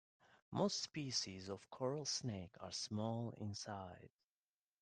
Most species of coral snake are small in size.